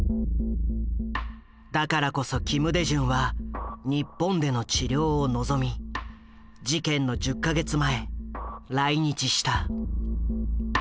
だからこそ金大中は日本での治療を望み事件の１０か月前来日した。